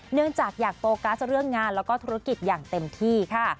เนื่องจากอยากโฟกัสเรื่องงานแล้วก็ธุรกิจอย่างเต็มที่ค่ะ